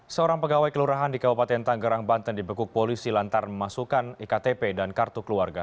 seorang pegawai kelurahan di kabupaten tanggerang banten dibekuk polisi lantar memasukkan iktp dan kartu keluarga